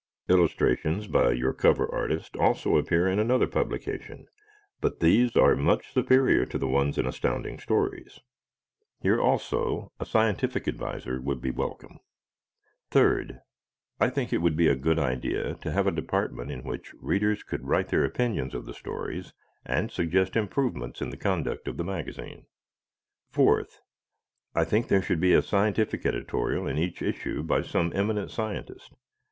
Illustrations by your cover artist also appear in another publication, but these are much superior to the ones in Astounding Stories. Here also a scientific advisor would be welcome. Third, I think it would be a good idea to have a department in which readers could write their opinions of the stories and suggest improvements in the conduct of the magazine. Fourth, I think there should be a scientific editorial in each issue by some eminent scientist.